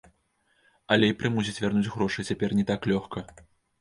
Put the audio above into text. Але і прымусіць вярнуць грошы цяпер не так лёгка.